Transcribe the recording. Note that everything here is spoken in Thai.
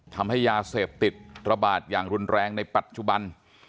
ทำให้ยาเสพติดระบาดอย่างรุนแรงในปัจจุบัน